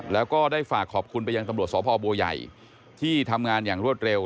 แล้วก็ได้ฝากขอบคุณไปยังตำรวจสพบัวใหญ่ที่ทำงานอย่างรวดเร็ว